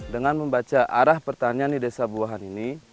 dengan membaca arah pertanian di desa buahan ini